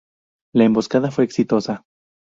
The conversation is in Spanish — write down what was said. La emboscada fue exitosa.